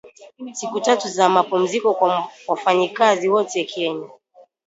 Siku tatu za mapumziko kwa wafanyakazi wote Kenya